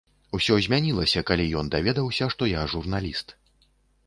Усё змянілася, калі ён даведаўся, што я журналіст.